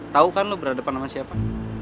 tau kan lu berhadapan sama siapa